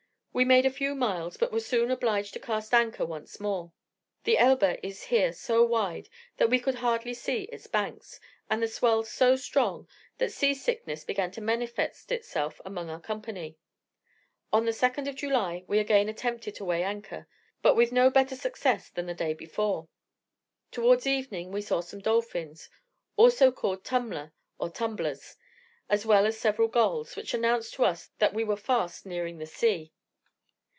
We made a few miles, but were soon obliged to cast anchor once more. The Elbe is here so wide, that we could hardly see its banks, and the swell so strong, that sea sickness began to manifest itself among our company. On the 2nd of July, we again attempted to weigh anchor, but with no better success than the day before. Towards evening we saw some dolphins, called also tummler, or tumblers, as well as several gulls, which announced to us that we were fast nearing the sea.